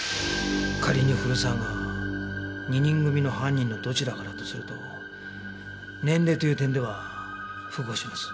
仮に古沢が２人組の犯人のどちらかだとすると年齢という点では符合します。